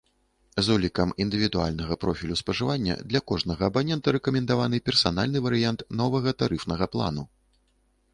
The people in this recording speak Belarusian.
З улікам індывідуальнага профілю спажывання для кожнага абанента рэкамендаваны персанальны варыянт новага тарыфнага плану.